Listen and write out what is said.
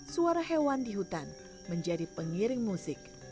suara hewan di hutan menjadi pengiring musik